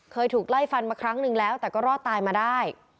เคยถูกไล่ฟันมาครั้งนึงแล้วแต่ก็รอดตายมาได้